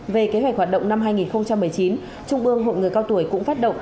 về kế hoạch hoạt động năm hai nghìn một mươi chín trung ương hội người cao tuổi cũng phát động